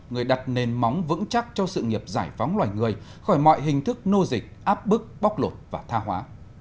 người đặt nền móng vững chắc cho sự nghiệp giải phóng loài người khỏi mọi hình thức nô dịch áp bức bóc lột và tha hóa